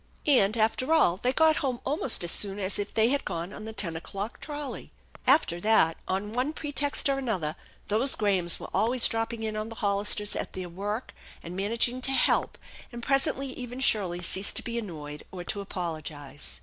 And, after all, they got home almost as soon as if they had gone on the ten o'clock trolley. After that on one pretext or another those Grahams were always dropping in on the Hollisters at their work and man aging to "help," and presently even Shirley ceased to be annoyed or to apologize.